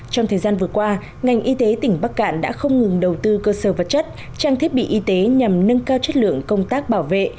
trong thời gian vừa qua ngành y tế tỉnh bắc cạn đã không ngừng đầu tư cơ sở vật chất trang thiết bị y tế nhằm nâng cao chất lượng công tác bảo vệ